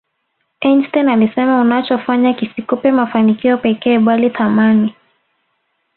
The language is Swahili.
Einstein alisema unachofanya kisikupe mafanikio pekee bali thamani